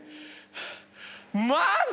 マジ！？